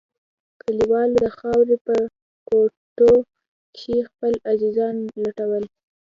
کليوالو د خاورو په کوټو کښې خپل عزيزان لټول.